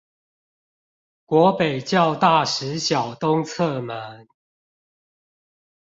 國北教大實小東側門